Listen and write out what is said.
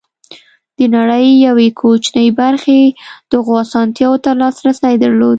د نړۍ یوې کوچنۍ برخې دغو اسانتیاوو ته لاسرسی درلود.